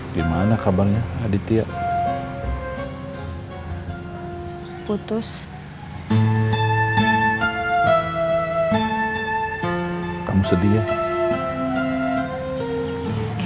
gimana kabarnya aditya putus kamu sedih